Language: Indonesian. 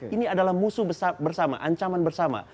ini adalah musuh bersama ancaman bersama